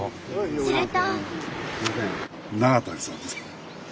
すると。